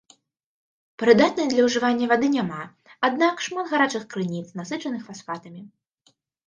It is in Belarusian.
Прыдатнай для ўжывання вады няма, аднак шмат гарачых крыніц, насычаных фасфатамі.